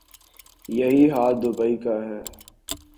یہی حال دوبئی کا ہے۔